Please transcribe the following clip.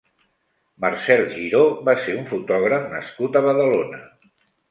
Marcel Giró va ser un fotògraf nascut a Badalona.